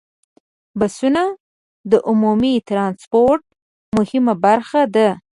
بسونه د عمومي ټرانسپورت مهمه برخه ده.